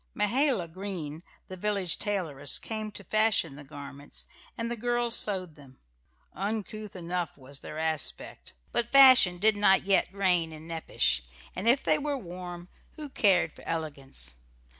Mahala Green, the village tailoress, came to fashion the garments, and the girls sewed them. Uncouth enough was their aspect; but fashion did not yet reign in Nepash, and if they were warm, who cared for elegance?